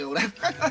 ハハハ。